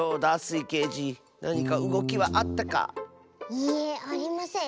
いいえありません。